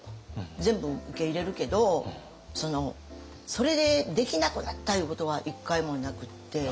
全部受け入れるけどそれでできなくなったいうことは一回もなくって。